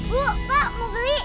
bu pak mau beli